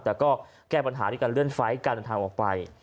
แต่ก็แก้ปัญหาด้วยการเลื่อนไฟล์การเดินทางออกไป